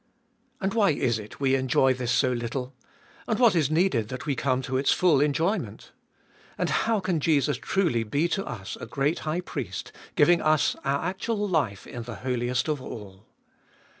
And why is it we enjoy this so little ? And what is needed that we come to its full enjoyment ? And how can Jesus truly be to us a great High Priest, giving us our actual life in the Holiest of All